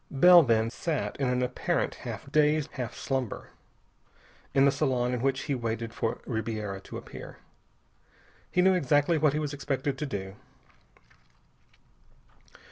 Bell then, sat in an apparent half daze, half slumber, in the salon in which he waited for Ribiera to appear. He knew exactly what he was expected to do.